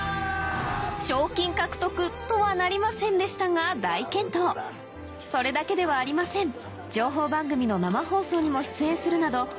賞金獲得とはなりませんでしたが大健闘それだけではありません情報番組の生放送にも出演するなど